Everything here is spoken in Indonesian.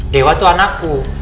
dewa tuh anakku